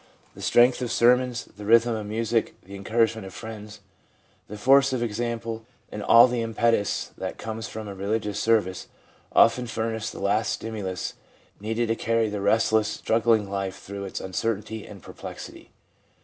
The strength of sermons, the rhythm of music, the encouragement of friends, the force of example, and all the impetus that comes from a religious service, often furnish the last stimulus needed to carry the restless, struggling life through its uncer tainty and perplexity.